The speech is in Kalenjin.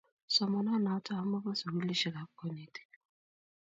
somananato amu bo sugulisheek ab konetik